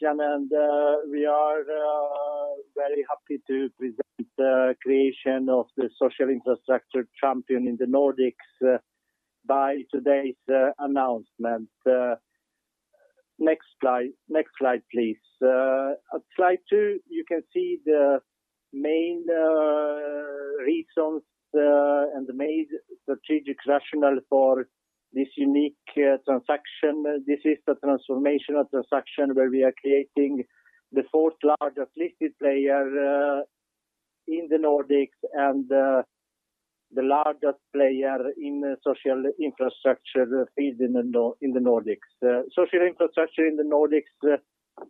Matthias and we are very happy to present the creation of the social infrastructure champion in the Nordics by today's announcement. Next slide, please. At slide two, you can see the main reasons and the main strategic rationale for this unique transaction. This is the transformational transaction where we are creating the fourth largest listed player in the Nordics and the largest player in social infrastructure field in the Nordics. Social infrastructure in the Nordics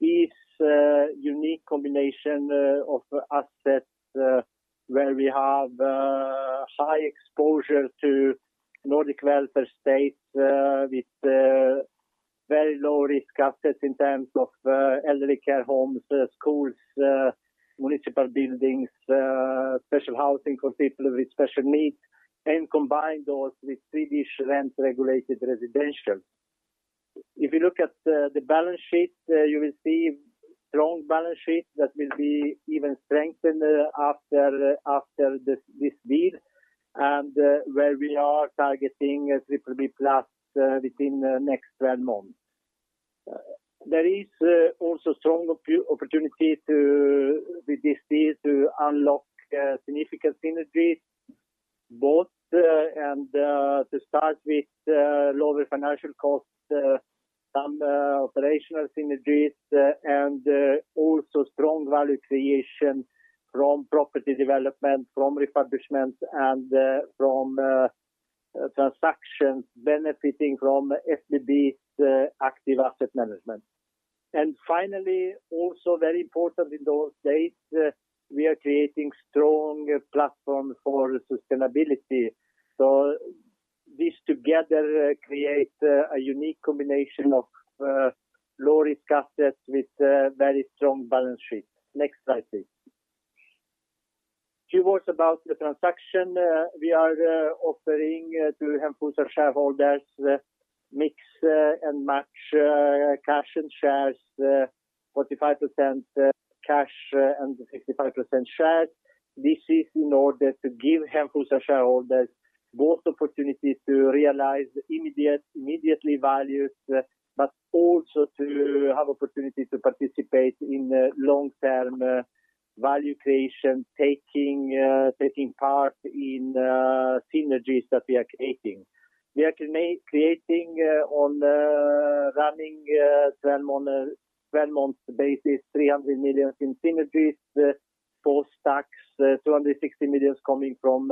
is a unique combination of assets where we have high exposure to Nordic welfare states with very low-risk assets in terms of elderly care homes, schools, municipal buildings, special housing for people with special needs and combine those with Swedish rent-regulated residential. If you look at the balance sheet, you will see strong balance sheet that will be even strengthened after this deal and where we are targeting BBB+ within the next 12 months. There is also strong opportunity with this deal to unlock significant synergies both and to start with lower financial costs, some operational synergies and also strong value creation from property development, from refurbishments and from transactions benefiting from SBB's active asset management. Finally, also very important in those states, we are creating strong platform for sustainability. This together creates a unique combination of low-risk assets with very strong balance sheet. Next slide, please. Few words about the transaction. We are offering to Hemfosa shareholders mix and match cash and shares, 45% cash and 65% shares. This is in order to give Hemfosa shareholders both opportunities to realize immediately values, but also to have opportunity to participate in long-term value creation, taking part in synergies that we are creating. We are creating on a running 12 months basis 300 million in synergies post tax, 260 million coming from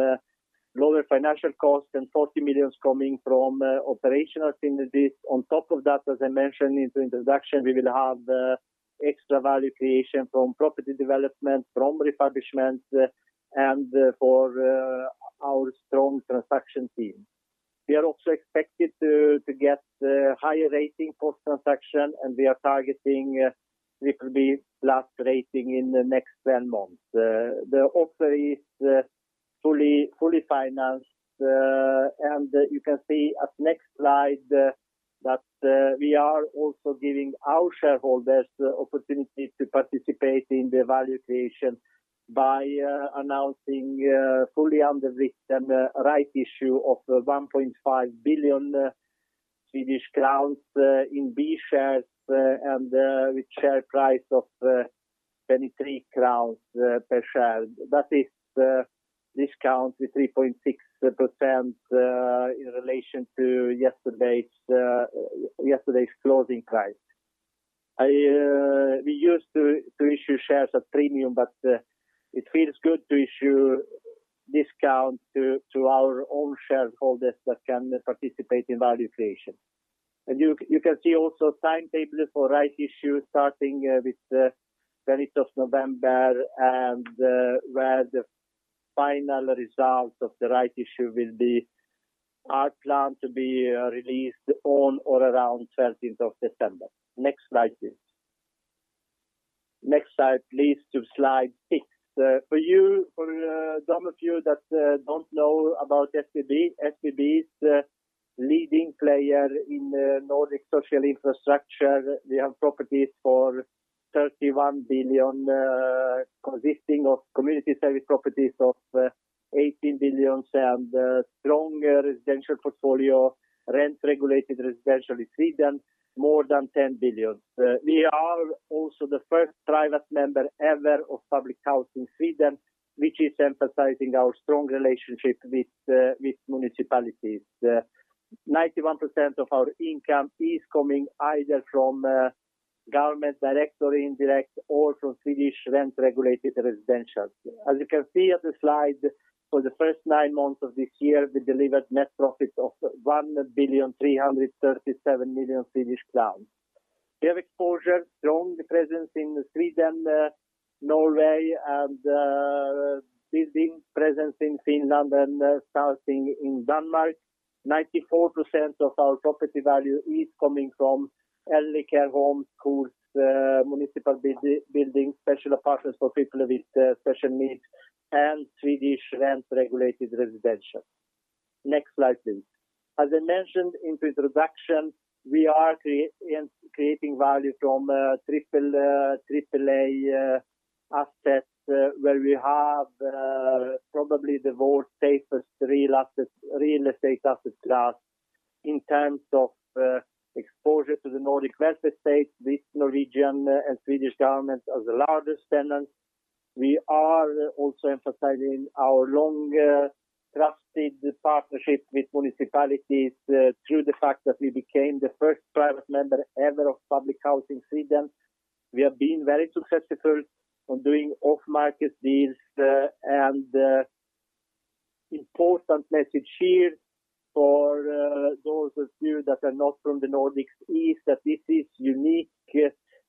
lower financial costs and 40 million coming from operational synergies. On top of that, as I mentioned in the introduction, we will have extra value creation from property development, from refurbishments and for our strong transaction team. We are also expected to get higher rating post-transaction. We are targeting BBB+ rating in the next 12 months. The offer is fully financed. You can see at next slide that we are also giving our shareholders the opportunity to participate in the value creation by announcing fully underwritten right issue of 1.5 billion Swedish crowns in B shares and with share price of 23 crowns per share. That is discount with 3.6% in relation to yesterday's closing price. We used to issue shares at premium, but it feels good to issue discount to our own shareholders that can participate in value creation. You can see also timetable for rights issue starting with 20th of November where the final result of the rights issue are planned to be released on or around 12th of December. Next slide, please. Next slide, please, to slide six. For some of you that don't know about SBB is a leading player in Nordic social infrastructure. We have properties for 31 billion, consisting of community service properties of 18 billion and strong residential portfolio, rent-regulated residential in Sweden more than 10 billion. We are also the first private member ever of Public Housing Sweden, which is emphasizing our strong relationship with municipalities. 91% of our income is coming either from government direct or indirect or from Swedish rent-regulated residential. As you can see at the slide, for the first nine months of this year, we delivered net profit of 1,337 million Swedish crowns. We have exposure, strong presence in Sweden, Norway and building presence in Finland and starting in Denmark. 94% of our property value is coming from elderly care homes, schools, municipal buildings, special apartments for people with special needs and Swedish rent-regulated residential. Next slide, please. As I mentioned in the introduction, we are creating value from AAA assets where we have probably the world's safest real estate asset class in terms of exposure to the Nordic welfare state with Norwegian and Swedish governments as the largest tenants. We are also emphasizing our long-trusted partnership with municipalities through the fact that we became the first private member ever of Public Housing Sweden. We have been very successful on doing off-market deals, the important message here for those of you that are not from the Nordics is that this is unique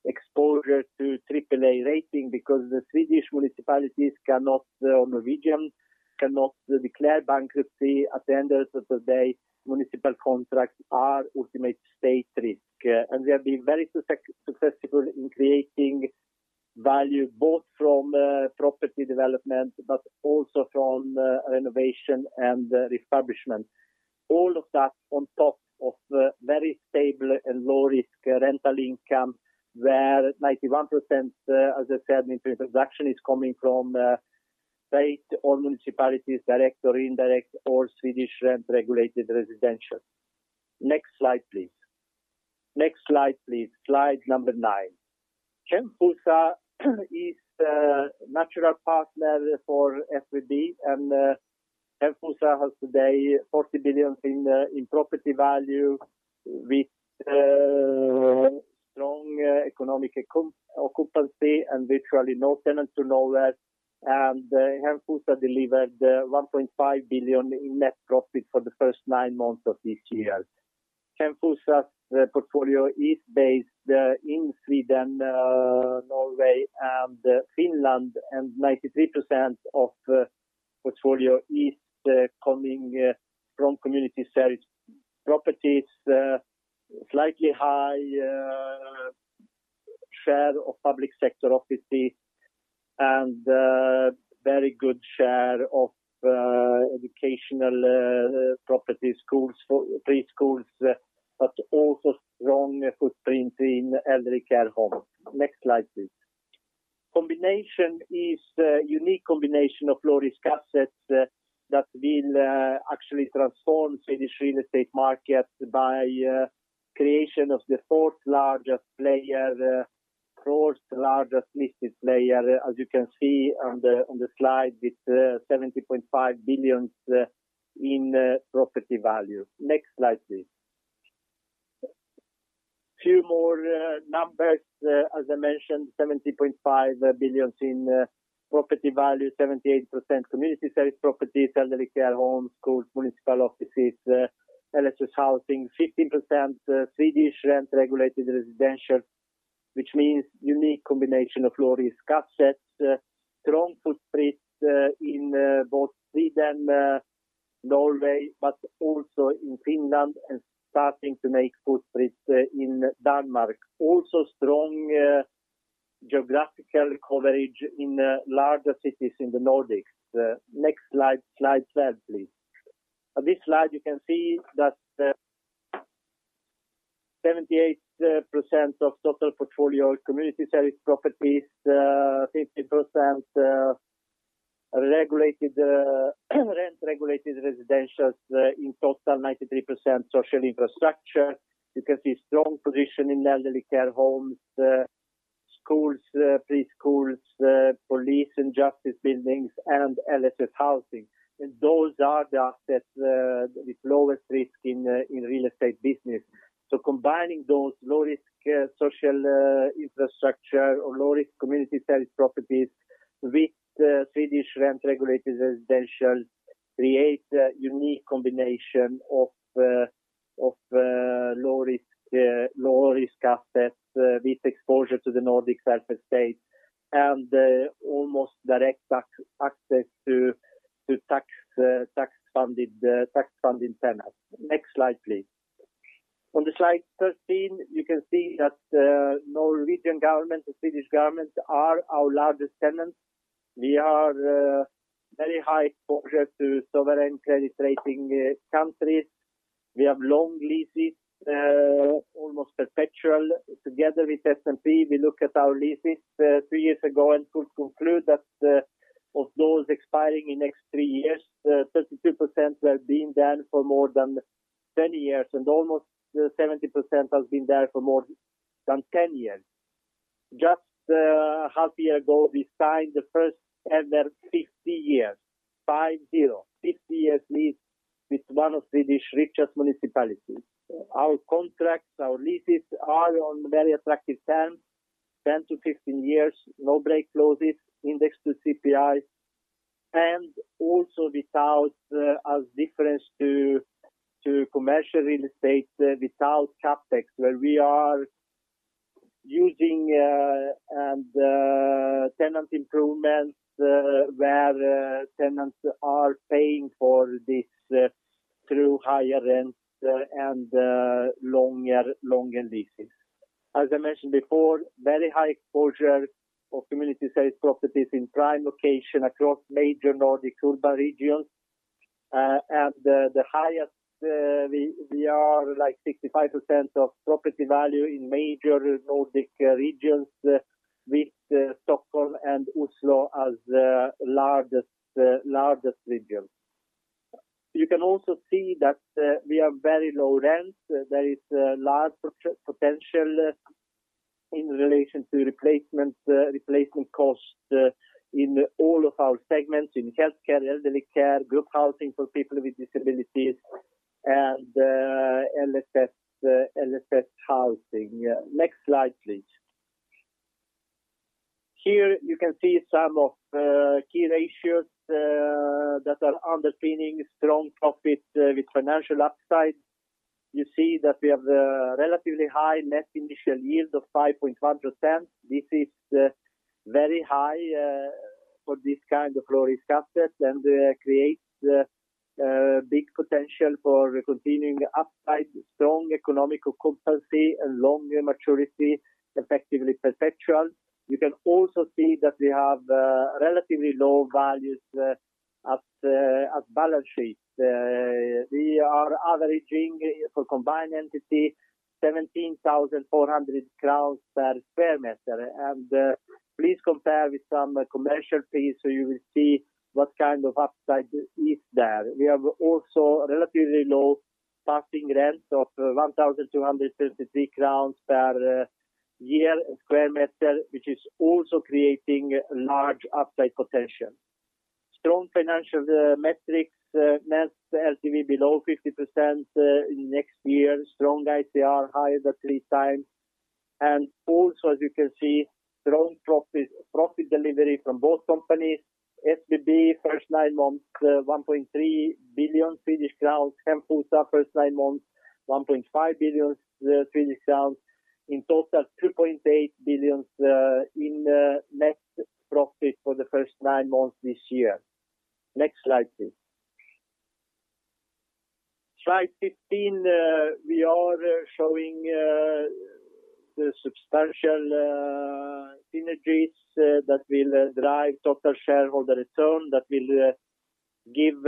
exposure to AAA rating because the Swedish municipalities cannot, or Norwegian cannot declare bankruptcy. At the end of the day, municipal contracts are ultimate state risk. We have been very successful in creating value both from property development but also from renovation and establishment. All of that on top of very stable and low-risk rental income, where 91%, as I said in the introduction, is coming from state or municipalities, direct or indirect, or Swedish rent-regulated residential. Next slide, please. Slide number 9. Heimstaden is a natural partner for SBB. Heimstaden has today 40 billion in property value with strong economic occupancy and virtually no tenant turnover. Heimstaden delivered 1.5 billion in net profit for the first nine months of this year. Heimstaden's portfolio is based in Sweden, Norway, and Finland. 93% of portfolio is coming from community service properties, slightly high share of public sector offices, and a very good share of educational properties, schools, preschools, but also a strong footprint in elderly care homes. Next slide, please. It is a unique combination of low-risk assets that will actually transform Swedish real estate market by creation of the fourth-largest player, fourth-largest listed player, as you can see on the slide with 70.5 billions in property value. Next slide, please. A few more numbers. As I mentioned, 70.5 billion in property value, 78% community service properties, elderly care homes, schools, municipal offices, LSS housing. 15% Swedish rent-regulated residential, which means unique combination of low-risk assets, strong footprint in both Sweden, Norway, but also in Finland and starting to make footprints in Denmark. Also strong geographical coverage in larger cities in the Nordics. Next slide 12, please. On this slide, you can see that 78% of total portfolio is community service properties, 50% rent-regulated residentials. In total, 93% social infrastructure. You can see strong position in elderly care homes, schools, preschools, police and justice buildings, and LSS housing. Those are the assets with lowest risk in real estate business. Combining those low-risk social infrastructure or low-risk community service properties with Swedish rent-regulated residential creates a unique combination of low-risk assets with exposure to the Nordic welfare state and almost direct access to tax-funded tenants. Next slide, please. On the slide 13, you can see that the Norwegian Government and Swedish Government are our largest tenants. We are very high exposure to sovereign credit rating countries. We have long leases, almost perpetual. Together with S&P, we looked at our leases three years ago and could conclude that of those expiring in the next three years, 32% have been there for more than 20 years, and almost 70% has been there for more than 10 years. Just half a year ago, we signed the first ever 50 years, five-zero, 50-year lease with one of Swedish richest municipalities. Our contracts, our leases are on very attractive terms, 10 to 15 years, no break clauses, indexed to CPI, and also without, as difference to commercial real estate, without CapEx, where we are using tenant improvements where tenants are paying for this through higher rents and longer leases. As I mentioned before, very high exposure of community service properties in prime locations across major Nordic urban regions. The highest, we are 65% of property value in major Nordic regions with Stockholm and Oslo as the largest region. You can also see that we have very low rents. There is large potential in relation to replacement cost in all of our segments in healthcare, elderly care, group housing for people with disabilities, and LSS housing. Next slide, please. Here you can see some of the key ratios that are underpinning strong profits with financial upside. You see that we have a relatively high net initial yield of 5.5%. This is very high for this kind of low-risk asset and creates big potential for continuing upside, strong economical competency, and longer maturity, effectively perpetual. You can also see that we have relatively low values at balance sheet. We are averaging for combined entity 17,400 crowns per sq m. Please compare with some commercial piece so you will see what kind of upside is there. We have also relatively low passing rent of 1,233 crowns per year and sq m, which is also creating large upside potential. Strong financial metrics, net LTV below 50% in next year. Strong ICR higher than three times. Also, as you can see, strong profit delivery from both companies. SBB first nine months, 1.3 billion Swedish crowns. Heimstaden first nine months, 1.5 billion Swedish crowns. In total, 2.8 billion in net profit for the first 9 months this year. Next slide, please. Slide 15, we are showing the substantial synergies that will drive total shareholder return, that will give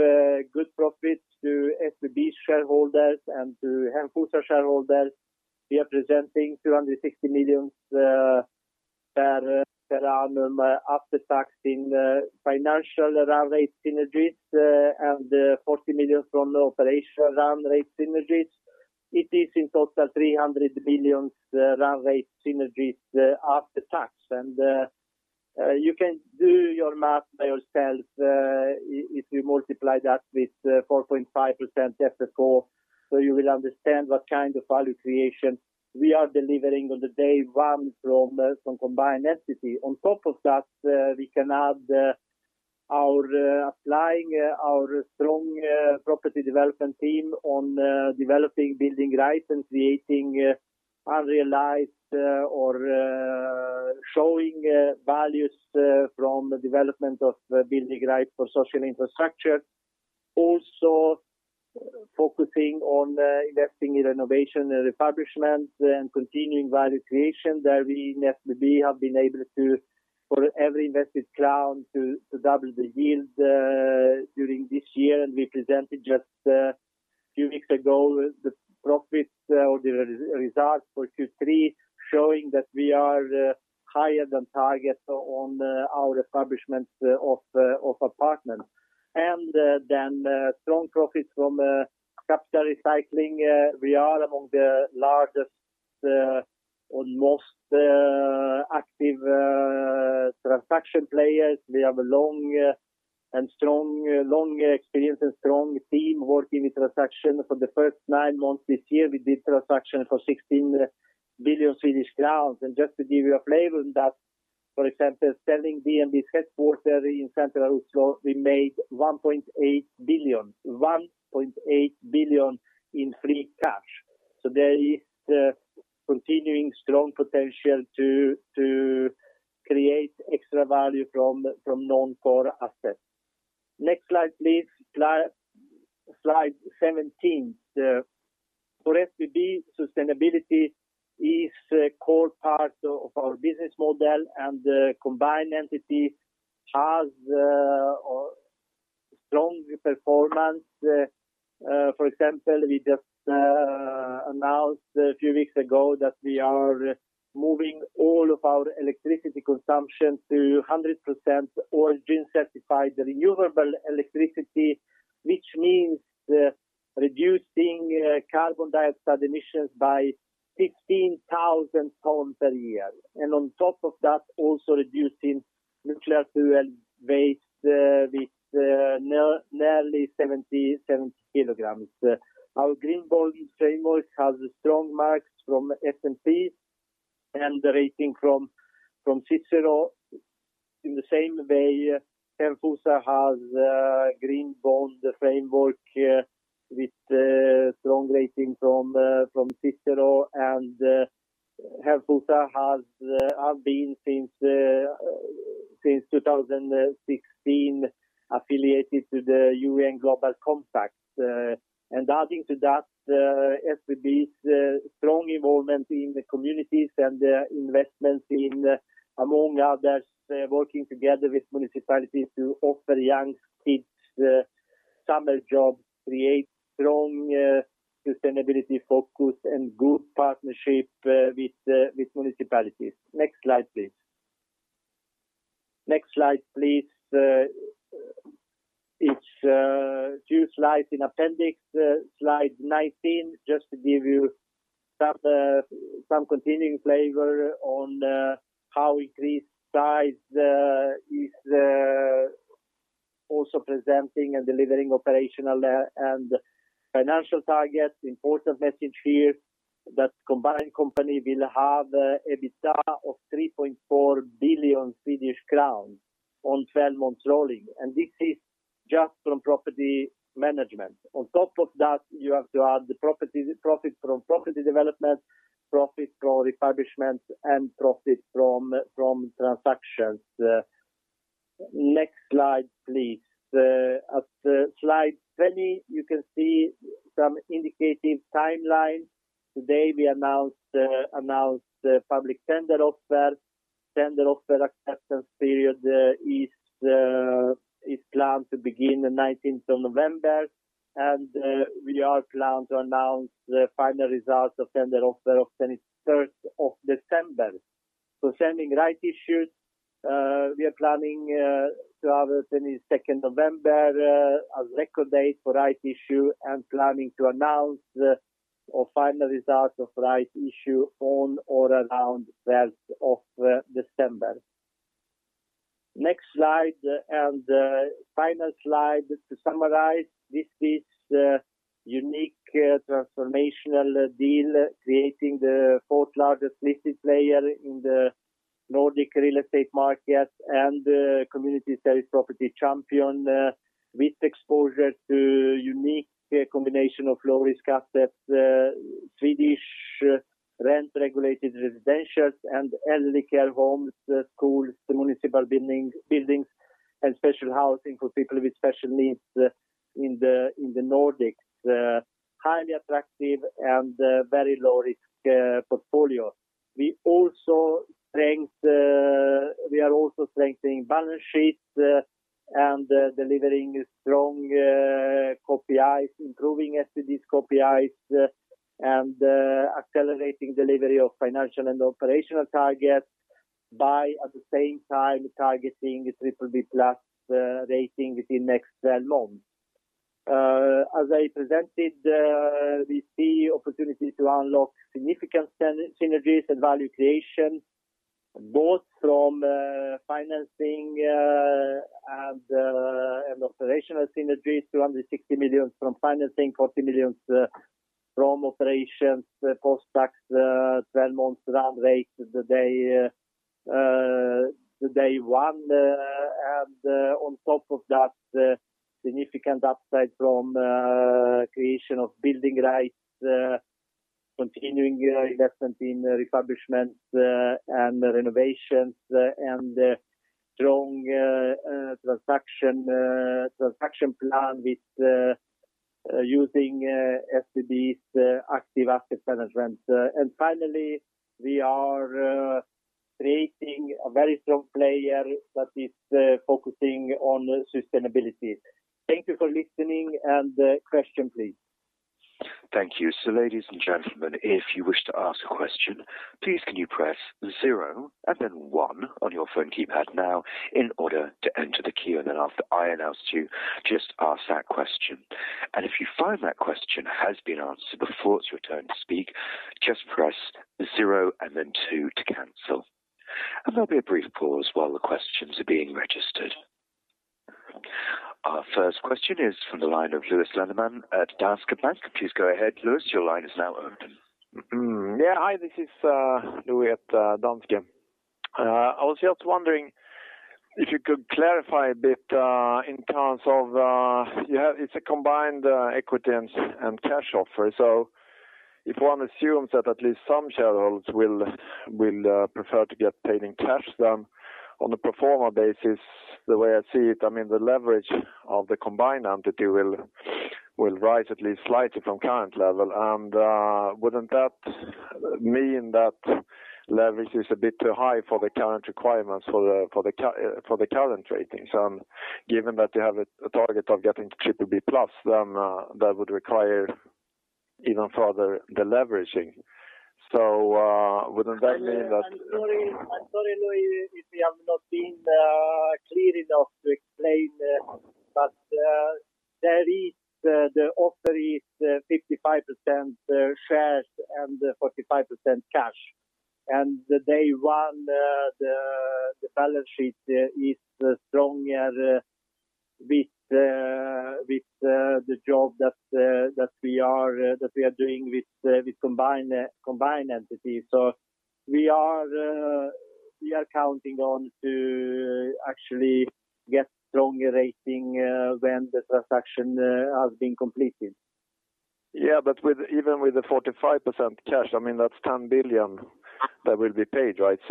good profit to SBB shareholders and to Heimstaden shareholders. We are presenting 260 million per annum after tax in financial run rate synergies and 40 million from the operational run rate synergies. It is in total 300 million run rate synergies after tax. You can do your math by yourself if you multiply that with 4.5% FFO, so you will understand what kind of value creation we are delivering on the day one from combined entity. On top of that, we can add our applying our strong property development team on developing building rights and creating unrealized or showing values from the development of building rights for social infrastructure. Focusing on investing in renovation and refurbishment and continuing value creation that we in SBB have been able to, for every invested crown, to double the yield during this year. We presented just a few weeks ago the profits or the results for Q3, showing that we are higher than target on our establishments of apartments. Then strong profits from capital recycling. We are among the largest and most active transaction players. We have a long experience and strong team working with transaction. For the first nine months this year, we did transaction for 16 billion Swedish crowns. Just to give you a flavor on that, for example, selling DNB's headquarter in central Oslo, we made 1.8 billion in free cash. There is continuing strong potential to create extra value from non-core assets. Next slide, please. Slide 17. For SBB, sustainability is a core part of our business model, and the combined entity has a strong performance. For example, we just announced a few weeks ago that we are moving all of our electricity consumption to 100% origin-certified renewable electricity, which means reducing carbon dioxide emissions by 15,000 tons per year. On top of that, also reducing nuclear fuel waste with nearly 77 kilograms. Our Green Bond framework has strong marks from S&P and the rating from Cicero. In the same way, Heimstaden has a Green Bond framework with a strong rating from Cicero, and Heimstaden have been since 2016, affiliated to the UN Global Compact. Adding to that, SBB's strong involvement in the communities and investments in, among others, working together with municipalities to offer young kids summer jobs creates strong sustainability focus and good partnership with municipalities. Next slide, please. Next slide, please. It's two slides in appendix. Slide 19, just to give you some continuing flavor on how increased size is also presenting and delivering operational and financial targets. Important message here, that combined company will have a EBITDA of 3.4 billion Swedish crowns on 12 months rolling. This is just from property management. On top of that, you have to add the profit from property development, profit from refurbishments, and profit from transactions. Next slide, please. At slide 20, you can see some indicative timelines. Today we announced public tender offer. Tender offer acceptance period is planned to begin the 19th of November, and we are planned to announce the final results of tender offer of 23rd of December. For sending right issues, we are planning to have 22nd November as record date for right issue and planning to announce our final results of right issue on or around 12th of December. Next slide and final slide. To summarize, this is a unique transformational deal creating the fourth largest listed player in the Nordic real estate market and community service property champion with exposure to unique combination of low-risk assets, Swedish rent-regulated residential, and elder care homes, schools, municipal buildings, and special housing for people with special needs in the Nordics. Highly attractive and very low risk portfolio. We are also strengthening balance sheets and delivering strong KPIs, improving SBB's KPIs, and accelerating delivery of financial and operational targets by at the same time targeting BBB+ rating within next 12 months. As I presented, we see opportunity to unlock significant synergies and value creation, both from financing and operational synergies, 260 million from financing, 40 million from operations, post-tax, 12 months run rate day one. On top of that, significant upside from creation of building rights, continuing investment in refurbishments and renovations, and strong transaction plan with using SBB's active asset management. Finally, we are creating a very strong player that is focusing on sustainability. Thank you for listening and question please. Thank you. Ladies and gentlemen, if you wish to ask a question, please can you press zero and then one on your phone keypad now in order to enter the queue, and then after I announce you, just ask that question. If you find that question has been answered before it's your turn to speak, just press zero and then two to cancel. There'll be a brief pause while the questions are being registered. Our first question is from the line of Louis Landeman at Danske Bank. Please go ahead, Louis. Your line is now open. Yeah. Hi, this is Louis at Danske Bank. I was just wondering if you could clarify a bit in terms of. It's a combined equity and cash offer. If one assumes that at least some shareholders will prefer to get paid in cash, on a pro forma basis, the way I see it, the leverage of the combined entity will rise at least slightly from current level. Wouldn't that mean that leverage is a bit too high for the current requirements for the current ratings? Given that you have a target of getting BBB+, that would require even further deleveraging. Wouldn't that mean that. I'm sorry, Louis, if we have not been clear enough to explain but the offer is 55% shares and 45% cash. Day one, the balance sheet is stronger with the job that we are doing with combined entity. We are counting on to actually get stronger rating when the transaction has been completed. Even with the 45% cash, that's 10 billion that will be paid, right? I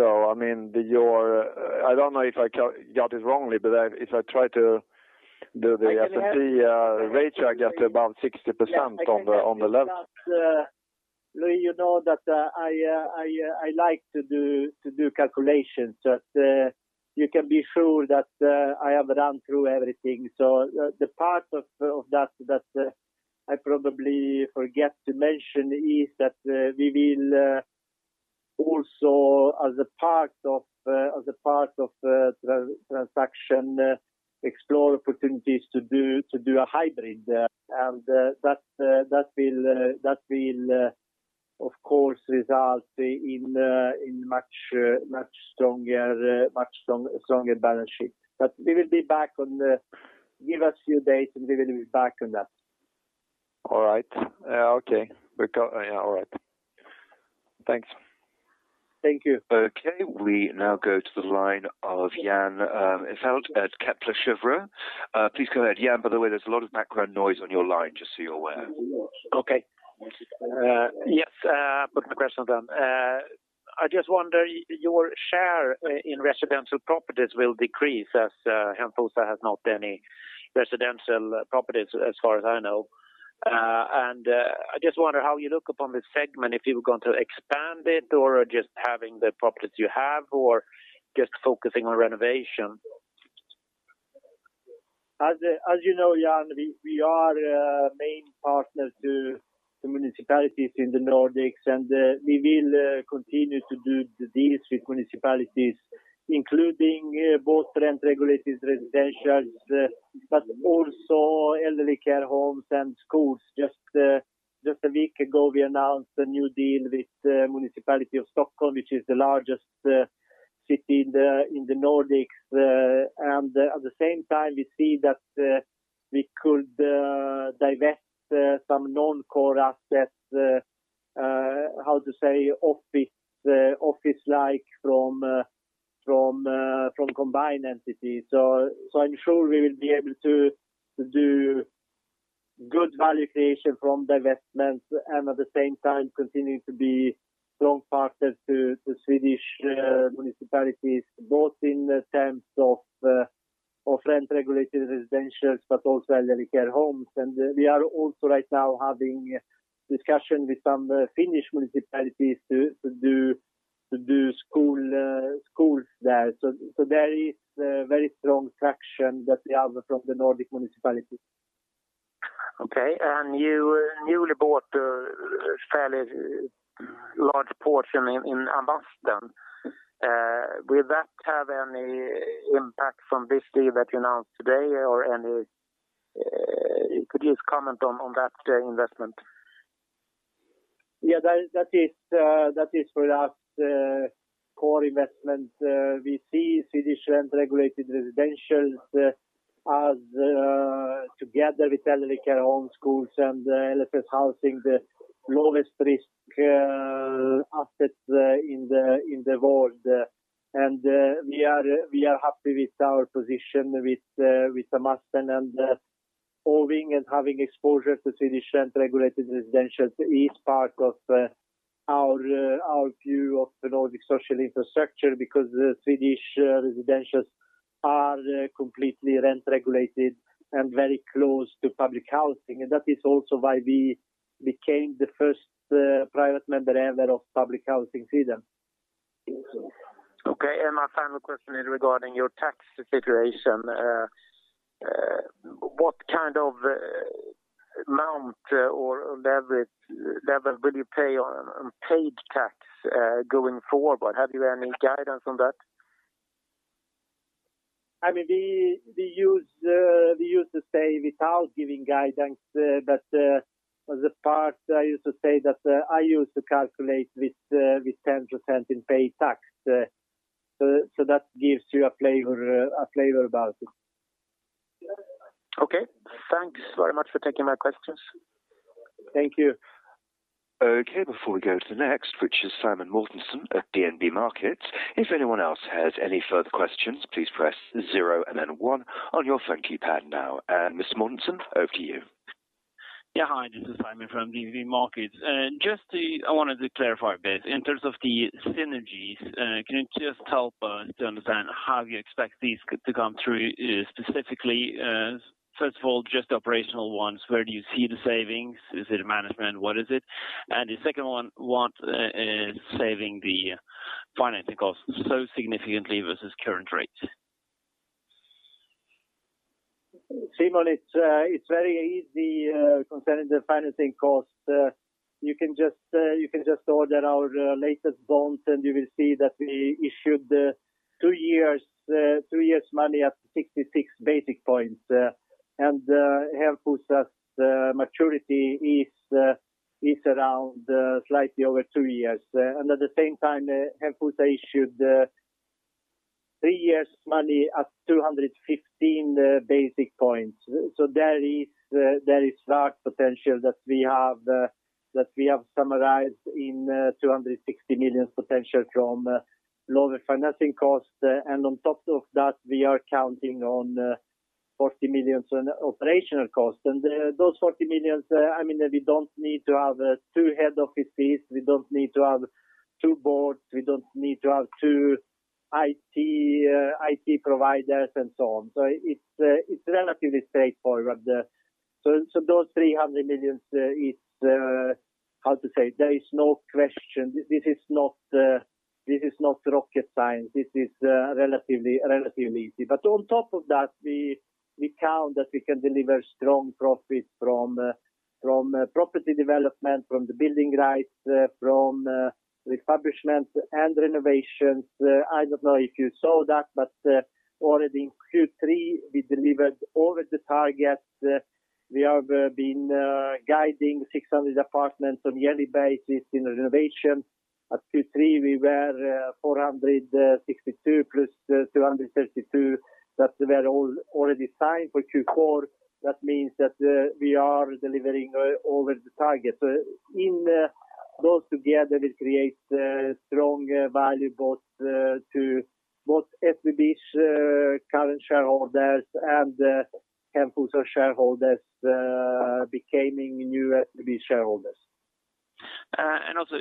don't know if I got this wrongly, but if I try to do the S&P rate, I get about 60% on the leverage. Louis, you know that I like to do calculations, you can be sure that I have run through everything. The part of that I probably forget to mention is that we will also, as a part of the transaction, explore opportunities to do a hybrid. That will of course result in much stronger balance sheet. Give us a few days and we will be back on that. All right. Okay. All right. Thanks. Thank you. Okay, we now go to the line of Jan Ihrfelt at Kepler Cheuvreux. Please go ahead, Jan. By the way, there's a lot of background noise on your line, just so you're aware. Okay. Yes, put my question then. I just wonder, your share in residential properties will decrease as Heimstaden has not any residential properties as far as I know. I just wonder how you look upon this segment, if you were going to expand it or just having the properties you have, or just focusing on renovation. As you know, Jan, we are main partners to the municipalities in the Nordics. We will continue to do the deals with municipalities, including both rent-regulated residentials but also elderly care homes and schools. Just a week ago, we announced a new deal with municipality of Stockholm, which is the largest city in the Nordics. At the same time, we see that we could divest some non-core assets, how to say, office-like from combined entities. I'm sure we will be able to do good value creation from divestments and at the same time continuing to be strong partners to Swedish municipalities, both in terms of rent-regulated residentials, but also elderly care homes. We are also right now having discussion with some Finnish municipalities to do schools there. There is very strong traction that we have from the Nordic municipalities. Okay. You newly bought a fairly large portion in Amasten. Will that have any impact from this deal that you announced today? Could you just comment on that investment? Yeah, that is for us core investment. We see Swedish rent-regulated residentials as together with elderly care homes, schools, and LSS housing, the lowest risk assets in the world. We are happy with our position with Amasten and owning and having exposure to Swedish rent-regulated residentials is part of our view of the Nordic social infrastructure because Swedish residentials are completely rent-regulated and very close to public housing. That is also why we became the first private member ever of Public Housing Sweden. Okay. My final question is regarding your tax situation. What kind of amount or leverage level will you pay on paid tax going forward? Have you any guidance on that? We used to say without giving guidance, but the part I used to say that I used to calculate with 10% in paid tax. That gives you a flavor about it. Okay. Thanks very much for taking my questions. Thank you. Okay, before we go to the next, which is Simen Mortensen at DNB Markets, if anyone else has any further questions, please press zero and then one on your phone keypad now. Mr. Mortensen, over to you. Yeah. Hi, this is Simen from DNB Markets. I wanted to clarify a bit in terms of the synergies. Can you just help us to understand how you expect these to come through specifically? First of all, just operational ones, where do you see the savings? Is it management? What is it? The second one, what is saving the financing costs so significantly versus current rates? Simen, it's very easy concerning the financing costs. You can just order our latest bonds, and you will see that we issued two years money at 66 basis points. Heimstaden maturity is around slightly over two years. At the same time, Heimstaden issued three years money at 215 basis points. There is large potential that we have summarized in 260 million potential from lower financing costs. On top of that, we are counting on 40 million on operational costs. Those 40 million, we don't need to have two head offices, we don't need to have two boards, we don't need to have two IT providers and so on. It's relatively straightforward. Those 300 million, how to say? There is no question. This is not rocket science. This is relatively easy. On top of that, we count that we can deliver strong profit from property development, from the building rights, from refurbishments and renovations. I don't know if you saw that, already in Q3, we delivered over the target. We have been guiding 600 apartments on a yearly basis in renovation. At Q3, we were 462 plus 232 that were all already signed for Q4. That means that we are delivering over the target. Those together will create strong value to both SBB's current shareholders and Hemfosa's shareholders becoming new SBB shareholders. Also,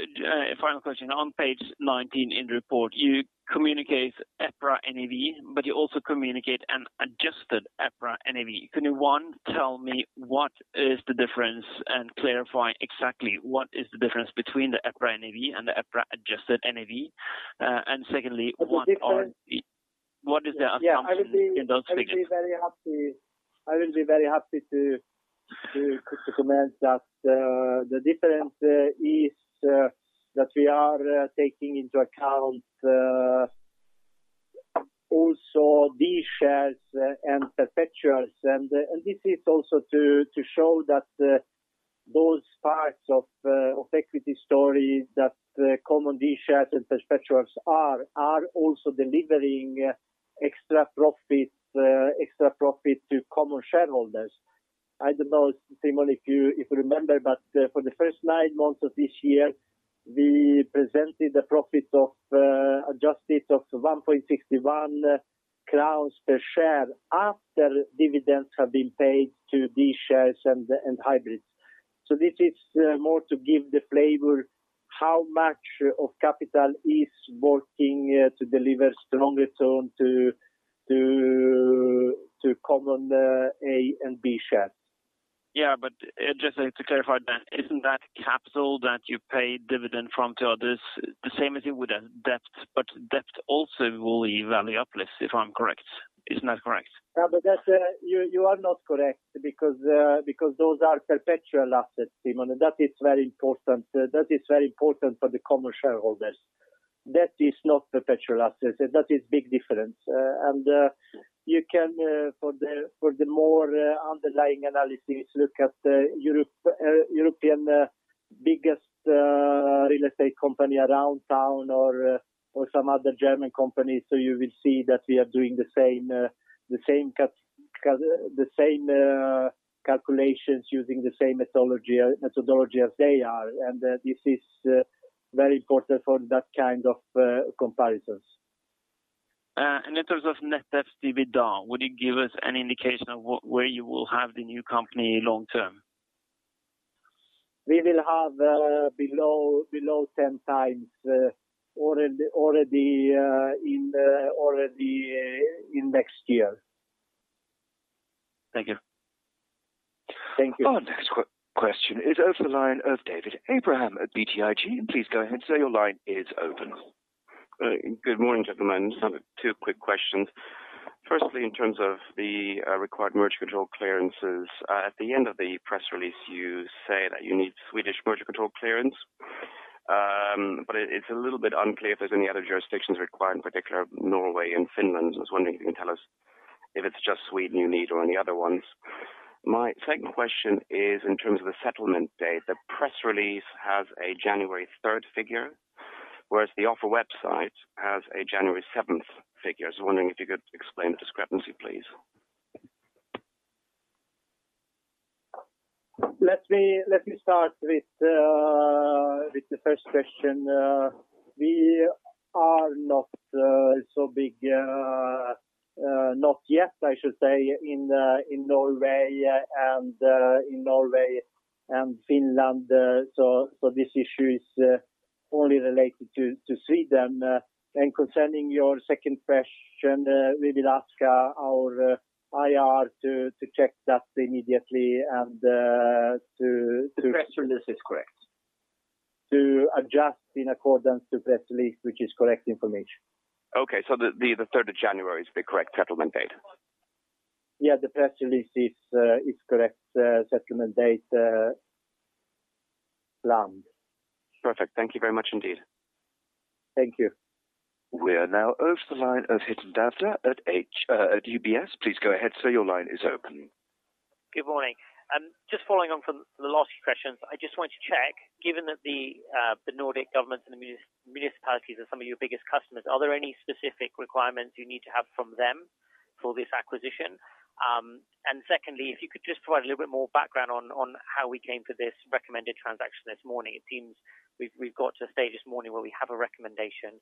final question. On page 19 in the report, you communicate EPRA NAV, but you also communicate an adjusted EPRA NAV. Can you, one, tell me what is the difference, and clarify exactly what is the difference between the EPRA NAV and the EPRA adjusted NAV? Secondly- The difference- What is the assumption in those figures? Yeah. I will be very happy to comment that the difference is that we are taking into account also these shares and perpetuals. This is also to show that those parts of equity story that common D shares and perpetuals are also delivering extra profit to common shareholders. I don't know, Simen, if you remember, but for the first nine months of this year, we presented a profit adjusted of 1.61 crowns per share after dividends have been paid to D shares and hybrids. This is more to give the flavor, how much of capital is working to deliver stronger tone to common A and B shares. Yeah, just to clarify that, isn't that capital that you pay dividend from to others, the same as you would a debt, but debt also will value up less, if I'm correct. Isn't that correct? No, you are not correct because those are perpetual assets, Simen. That is very important for the common shareholders. Debt is not perpetual assets. That is big difference. You can for the more underlying analysis, look at European biggest real estate company Aroundtown or some other German companies, so you will see that we are doing the same calculations using the same methodology as they are. This is very important for that kind of comparisons. In terms of net debt to EBITDA, would you give us an indication of where you will have the new company long term? We will have below 10 times already in next year. Thank you. Thank you. Our next question is over the line of David Abraham at BTIG. Please go ahead, sir, your line is open. Good morning, gentlemen. Just have two quick questions. Firstly, in terms of the required merger control clearances. At the end of the press release, you say that you need Swedish merger control clearance. It's a little bit unclear if there's any other jurisdictions required, in particular Norway and Finland. I was wondering if you can tell us if it's just Sweden you need or any other ones. My second question is in terms of the settlement date. The press release has a January 3rd figure, whereas the offer website has a January 7th figure. Wondering if you could explain the discrepancy, please. Let me start with the first question. We are not so big, not yet, I should say, in Norway and Finland. This issue is only related to Sweden. Concerning your second question, we will ask our IR to check that immediately. The press release is correct. to adjust in accordance to press release, which is correct information. Okay. The 3rd of January is the correct settlement date? Yeah, the press release is correct settlement date planned. Perfect. Thank you very much indeed. Thank you. We are now over to the line of Hiten Dave at UBS. Please go ahead, sir. Your line is open. Good morning. Just following on from the last few questions. I just wanted to check, given that the Nordic governments and the municipalities are some of your biggest customers, are there any specific requirements you need to have from them for this acquisition? Secondly, if you could just provide a little bit more background on how we came to this recommended transaction this morning. It seems we've got to a stage this morning where we have a recommendation,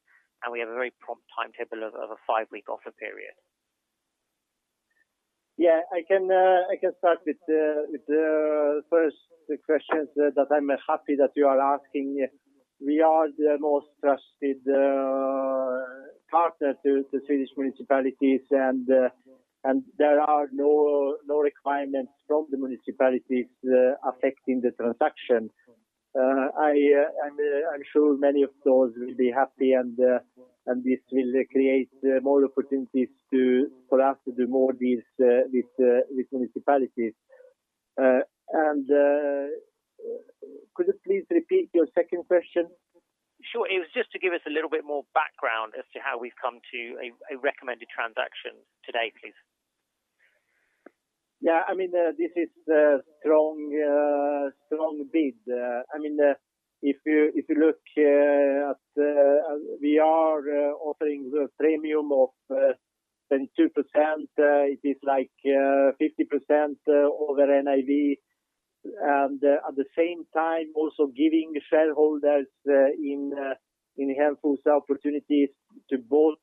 and we have a very prompt timetable of a five-week offer period. Yeah, I can start with the first questions that I'm happy that you are asking. We are the most trusted partner to Swedish municipalities. There are no requirements from the municipalities affecting the transaction. I'm sure many of those will be happy. This will create more opportunities for us to do more with municipalities. Could you please repeat your second question? Sure. It was just to give us a little bit more background as to how we've come to a recommended transaction today, please. Yeah, this is a strong bid. We are offering a premium of 22%. It is like 50% over NAV, and at the same time also giving shareholders in Heimstaden opportunities to both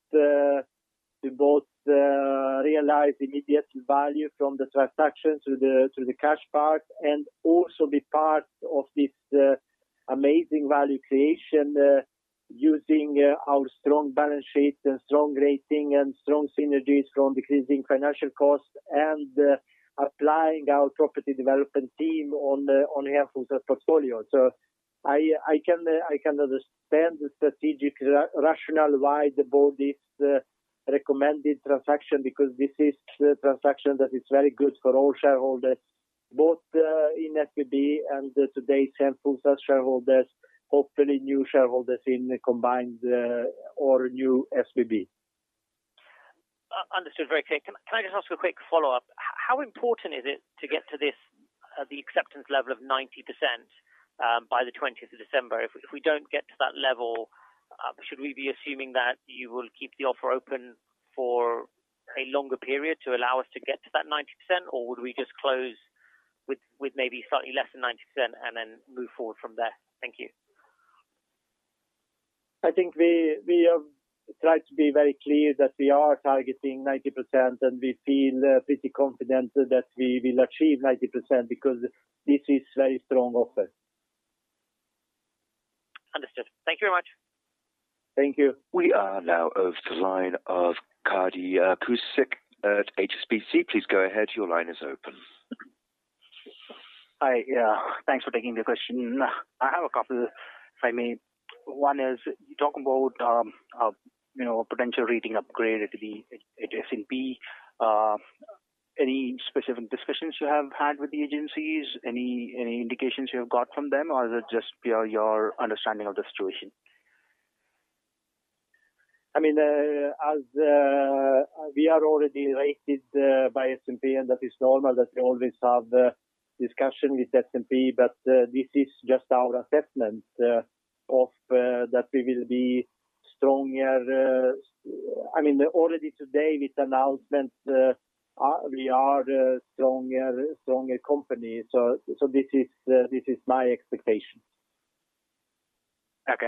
realize immediate value from the transaction through the cash part and also be part of this amazing value creation using our strong balance sheet and strong rating and strong synergies from decreasing financial costs and applying our property development team on Heimstaden's portfolio. I can understand the strategic rationale why the board is recommending transaction because this is transaction that is very good for all shareholders, both in SBB and today Heimstaden shareholders, hopefully new shareholders in combined or new SBB. Understood. Very clear. Can I just ask a quick follow-up? How important is it to get to this, the acceptance level of 90% by the 20th of December? If we don't get to that level, should we be assuming that you will keep the offer open for a longer period to allow us to get to that 90%? Or would we just close with maybe slightly less than 90% and then move forward from there? Thank you. I think we have tried to be very clear that we are targeting 90%. We feel pretty confident that we will achieve 90% because this is very strong offer. Understood. Thank you very much. Thank you. We are now over to the line of Kardi Kusik at HSBC. Please go ahead. Your line is open. Hi. Thanks for taking the question. I have a couple if I may. One is you talk about potential rating upgrade at S&P. Any specific discussions you have had with the agencies? Any indications you have got from them, or is it just your understanding of the situation? As we are already rated by S&P, and that is normal that we always have discussion with S&P, but this is just our assessment that we will be stronger. Already today with announcement, we are a stronger company. This is my expectation. Okay.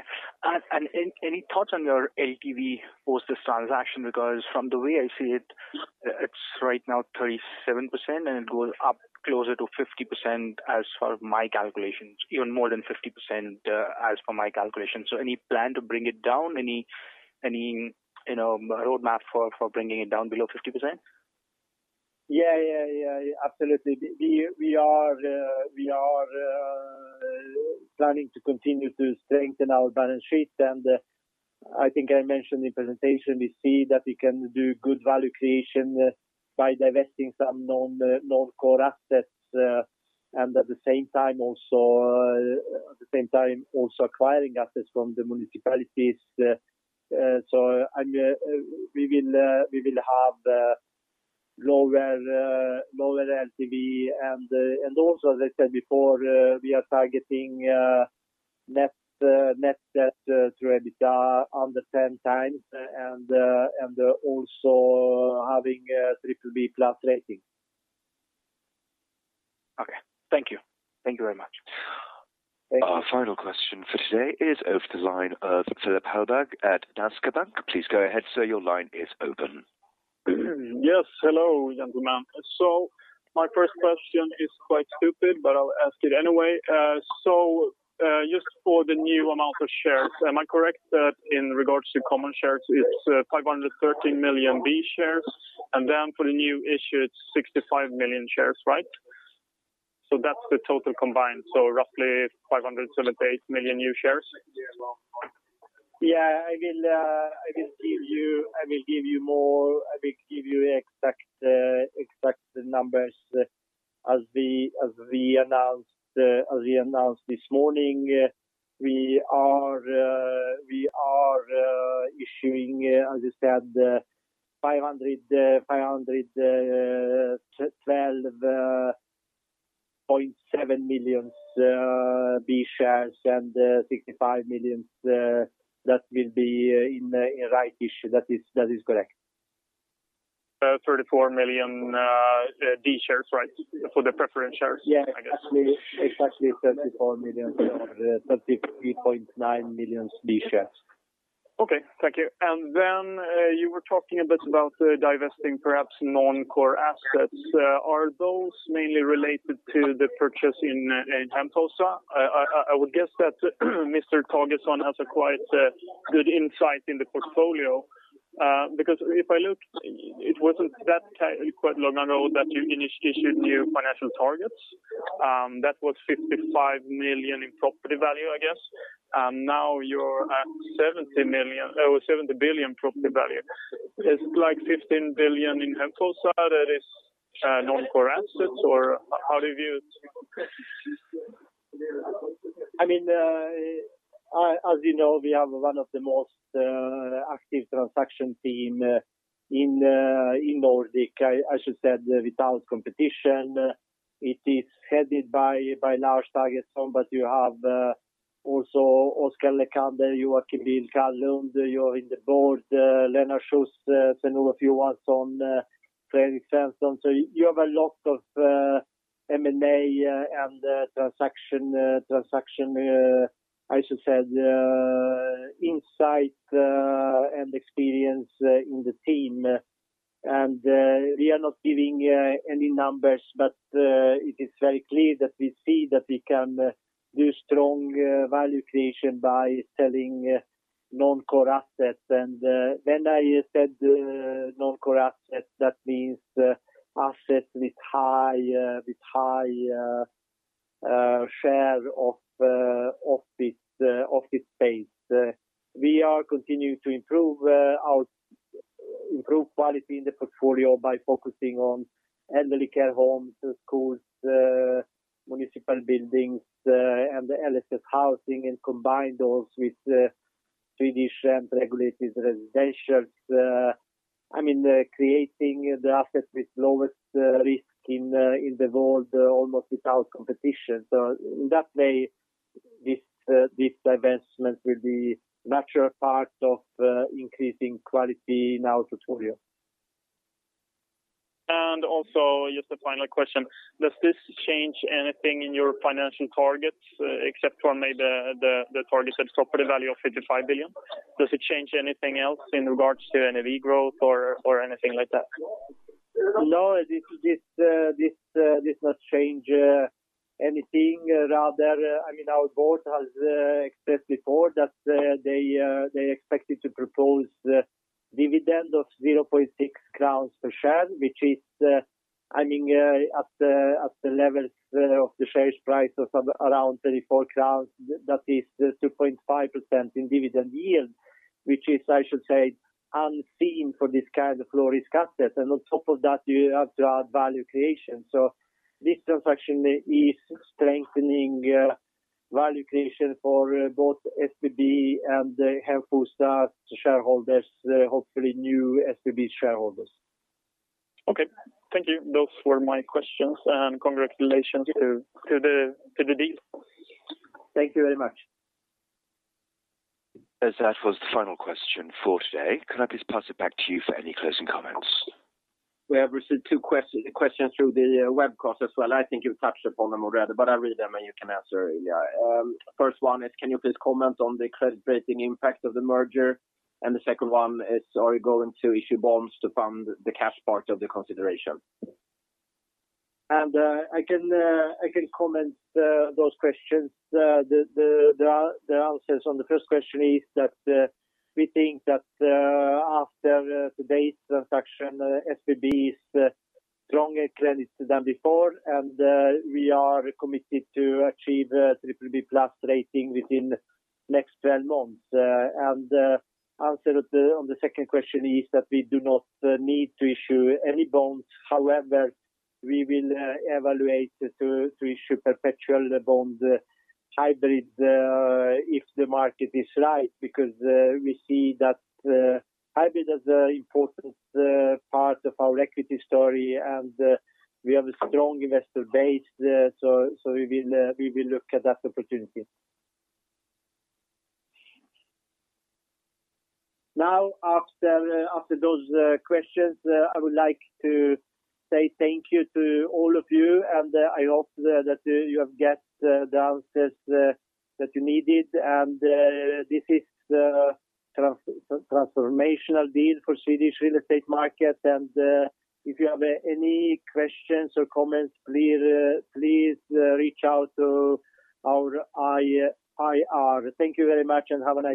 Any thoughts on your LTV post this transaction? From the way I see it's right now 37%, and it goes up closer to 50% as for my calculations, even more than 50% as per my calculation. Any plan to bring it down? Any roadmap for bringing it down below 50%? Yeah. Absolutely. We are planning to continue to strengthen our balance sheet, and I think I mentioned in presentation, we see that we can do good value creation by divesting some non-core assets and at the same time also acquiring assets from the municipalities. We will have lower LTV and also, as I said before, we are targeting net debt to EBITDA under 10 times and also having a BBB+ rating. Okay. Thank you. Thank you very much. Our final question for today is over the line of Philip Halberg at Danske Bank. Please go ahead, sir. Your line is open. Yes, hello, gentlemen. My first question is quite stupid, but I'll ask it anyway. Just for the new amount of shares, am I correct that in regards to common shares, it's 513 million B shares, and then for the new issue, it's 65 million shares, right? That's the total combined. Roughly 578 million new shares. Yeah, I will give you exact numbers as we announced this morning. We are issuing, as you said, 512-0.7 million B shares and 65 million that will be in rights issue. That is correct. 34 million D shares, right, for the preference shares, I guess. Yeah. Exactly 34 million or 33.9 millions B shares. Okay. Thank you. You were talking a bit about divesting perhaps non-core assets. Are those mainly related to the purchase in Hemfosa? I would guess that Mr. Thagesson has a quite good insight in the portfolio. If I look, it wasn't that quite long ago that you issued new financial targets, that was 55 million in property value, I guess. Now you're at 70 billion property value. Is it like 15 billion in Hemfosa that is non-core assets or how do you? As you know, we have one of the most active transaction team in Nordic, I should say, without competition. It is headed by Lars Thagesson but you have also Oscar Lekander, Joakim Bille, Carl Lundh, you're in the board, Lennart Schuss, Sven-Olof Johansson, Fredrik Svensson. You have a lot of M&A and transaction, I should say, insight and experience in the team. We are not giving any numbers, but it is very clear that we see that we can do strong value creation by selling non-core assets. When I said non-core assets, that means assets with high share of office space. We are continuing to improve quality in the portfolio by focusing on elderly care homes, schools, municipal buildings, and LSS housing, and combine those with Swedish rent-regulated residentials. Creating the asset with lowest risk in the world almost without competition. In that way, this divestment will be natural part of increasing quality in our portfolio. Also just a final question. Does this change anything in your financial targets except for maybe the target set property value of 55 billion? Does it change anything else in regards to NAV growth or anything like that? No, this does not change anything. Rather, our board has expressed before that they expected to propose dividend of 0.6 crowns per share, which is at the level of the shares price of around 34 crowns. That is 2.5% in dividend yield, which is, I should say, unseen for this kind of low-risk asset. On top of that you have to add value creation. This transaction is strengthening value creation for both SBB and Hemfosa shareholders, hopefully new SBB shareholders. Okay. Thank you. Those were my questions, and congratulations to the deal. Thank you very much. As that was the final question for today, can I please pass it back to you for any closing comments? We have received two questions through the webcast as well. I think you've touched upon them already, but I'll read them, and you can answer. First one is, "Can you please comment on the credit rating impact of the merger?" The second one is, "Are you going to issue bonds to fund the cash part of the consideration?" I can comment those questions. The answers on the first question is that we think that after today's transaction SBB is stronger credits than before, and we are committed to achieve BBB+ rating within next 12 months. Answer on the second question is that we do not need to issue any bonds. However, we will evaluate to issue perpetual bond hybrid if the market is right because we see that hybrid as an important part of our equity story and we have a strong investor base. We will look at that opportunity. Now after those questions, I would like to say thank you to all of you, and I hope that you have get the answers that you needed. This is transformational deal for Swedish real estate market. If you have any questions or comments, please reach out to our IR. Thank you very much and have a nice day.